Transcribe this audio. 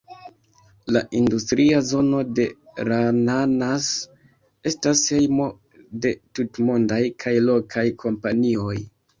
La industria zono de Ra'anana's estas hejmo de tutmondaj kaj lokaj kompanioj.